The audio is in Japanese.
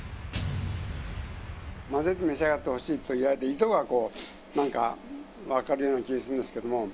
混ぜて召し上がってほしいと言われた意図が分かるような気するんですけども。